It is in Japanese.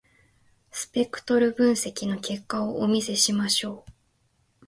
スペクトル分析の結果をお見せしましょう。